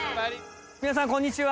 みなさんこんにちは。